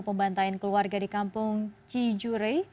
pembantai keluarga di kampung cijurei